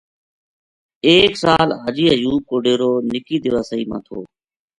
ایک سال حاجی ایوب کو ڈیرو نِکی دیواسئی ما تھو